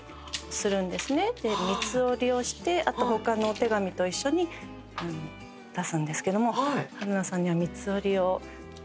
三つ折りをしてあと他のお手紙と一緒に出すんですけども春菜さんには三つ折りを。